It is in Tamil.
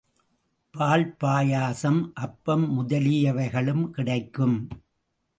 பால் பாயசம், அப்பம் முதலியவைகளும் கிடைக்கும்.